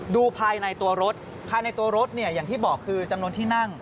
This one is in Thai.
ดูภายในตัวรถภายในตัวรถเนี่ยอย่างที่บอกคือจำนวนที่นั่ง